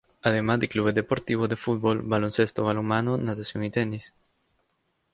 Además de clubes deportivos de fútbol, baloncesto, balonmano, natación y tenis.